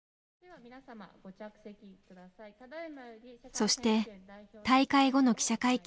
そして大会後の記者会見。